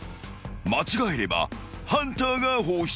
［間違えればハンターが放出］